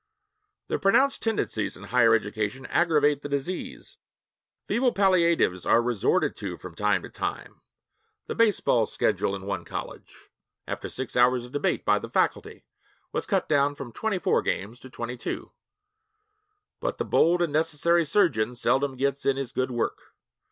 The pronounced tendencies in higher education aggravate the disease. Feeble palliatives are resorted to from time to time, the baseball schedule in one college, after six hours of debate by the faculty, was cut down from twenty four games to twenty two, but the bold and necessary surgeon seldom gets in his good work.